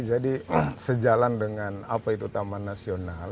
jadi sejalan dengan apa itu taman nasional